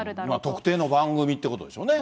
特定の番組ということでしょうね。